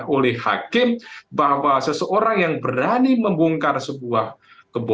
oleh hakim bahwa seseorang yang berani membongkar sebuah